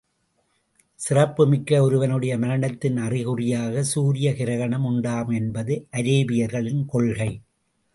சிறப்பு மிக்க ஒருவனுடைய மரணத்தின் அறிகுறியாக சூரிய கிரஹணம் உண்டாகும் என்பது அரேபியர்களின் கொள்கை.